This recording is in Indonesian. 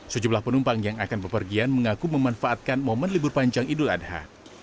sejumlah penumpang yang akan bepergian mengaku memanfaatkan momen libur panjang idul adha